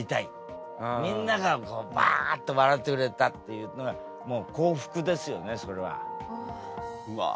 みんながバッと笑ってくれたっていうのがもう幸福ですよねそれは。うわ。